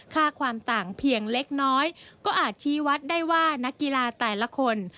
ค่าความต่างเพียงเล็กน้อยก็อาจชี้วัดได้ว่านักกีฬาแต่ละคน